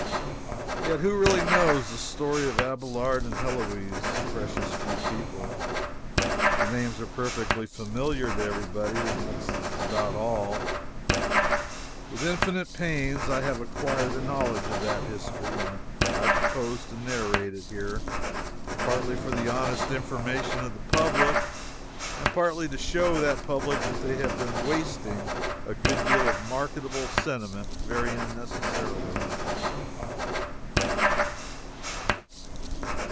Yet who really knows the story of Abelard and Heloise? Precious few people. The names are perfectly familiar to every body, and that is about all. With infinite pains I have acquired a knowledge of that history, and I propose to narrate it here, partly for the honest information of the public and partly to show that public that they have been wasting a good deal of marketable sentiment very unnecessarily.